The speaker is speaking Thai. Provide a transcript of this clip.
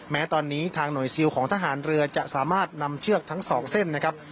แม้ตอนนี้ทางหน่วยซิลของทหารเรือจะสามารถนำเชือกทั้งสองเส้นนะครับ